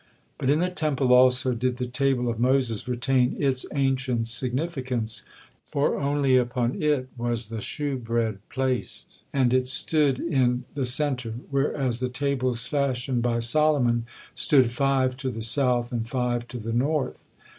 But in the Temple also did the table of Moses retain its ancient significance, for only upon it was the shewbread placed, and it stood in the center, whereas the tables fashioned by Solomon stood five to the south and five to the north.